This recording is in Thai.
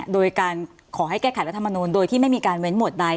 โดยการขอให้แก้ไขรัฐมนูลโดยที่ไม่มีการเว้นหวดใด